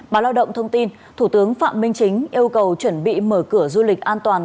báo lao động thông tin thủ tướng phạm minh chính yêu cầu chuẩn bị mở cửa du lịch an toàn